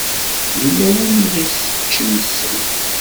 Yella win i ɣ-iseččen ssem.